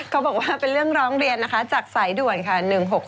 เขาบอกว่าเป็นเรื่องร้องเรียนนะคะจากสายด่วนค่ะ